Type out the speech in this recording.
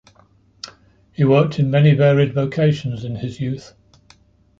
He worked in many varied vocations in his youth.